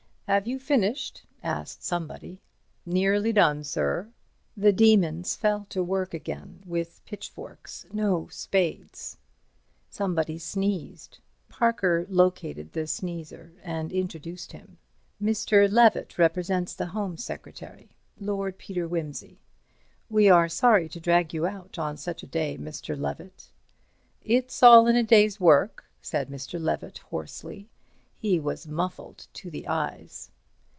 "Have you finished?" asked somebody. "Nearly done, sir." The demons fell to work again with the pitchforks—no, spades. Somebody sneezed. Parker located the sneezer and introduced him. "Mr. Levett represents the Home Secretary. Lord Peter Wimsey. We are sorry to drag you out on such a day, Mr. Levett." "It's all in the day's work," said Mr. Levett, hoarsely. He was muffled to the eyes.